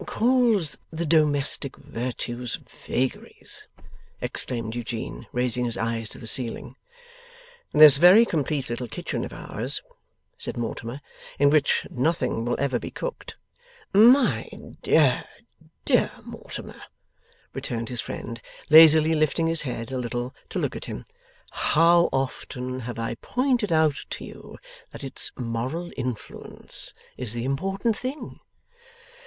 'Calls the domestic virtues vagaries!' exclaimed Eugene, raising his eyes to the ceiling. 'This very complete little kitchen of ours,' said Mortimer, 'in which nothing will ever be cooked ' 'My dear, dear Mortimer,' returned his friend, lazily lifting his head a little to look at him, 'how often have I pointed out to you that its moral influence is the important thing?